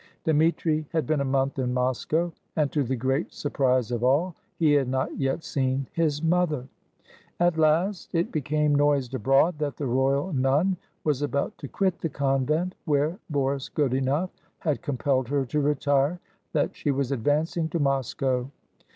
Dmitri had been a month in Moscow, and, to the great surprise of all, he had not yet seen his mother. At last it became noised abroad that the royal nun was about to quit the convent where Boris Godunof had compelled her to retire ; that she was advancing to Mos cow.